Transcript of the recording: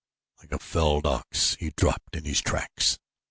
Like a felled ox he dropped in his tracks.